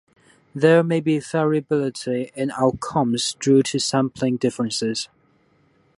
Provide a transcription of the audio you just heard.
There may be variability in outcomes due to sampling differences.